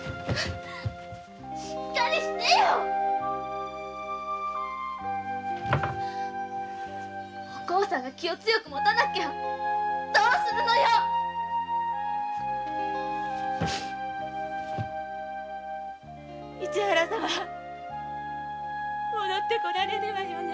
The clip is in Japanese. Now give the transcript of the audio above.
しっかりしてよおこうさんが気を強くもたなきゃどうするのよ市原様戻って来られるわよね。